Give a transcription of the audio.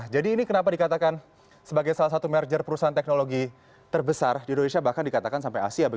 jadi ini kenapa dikatakan sebagai salah satu merger perusahaan teknologi terbesar di indonesia bahkan dikatakan sampai asia